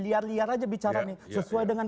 liar liar aja bicara nih sesuai dengan